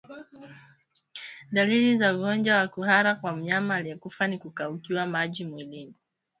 Dalili za ugonjwa wa kuhara kwa mnyama aliyekufa ni kukaukiwa maji mwilini